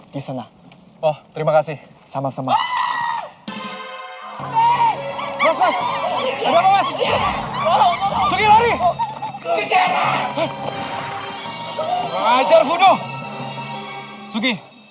kan merindasi lo bayang